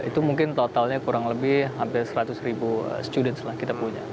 itu mungkin totalnya kurang lebih hampir seratus ribu students lah kita punya